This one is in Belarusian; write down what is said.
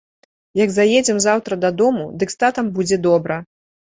Як заедзем заўтра дадому, дык з татам будзе добра.